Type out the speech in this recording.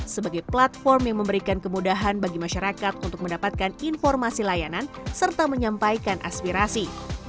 sebagai platform yang memberikan kemudahan bagi masyarakat untuk mendapatkan informasi layanan serta menyampaikan aspirasi